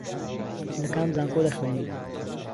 لە کام زانکۆ دەخوێنیت؟